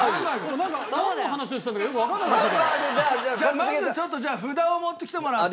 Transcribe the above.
まずちょっとじゃあ札を持ってきてもらって。